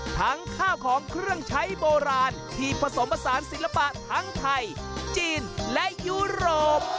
ข้าวของเครื่องใช้โบราณที่ผสมผสานศิลปะทั้งไทยจีนและยุโรป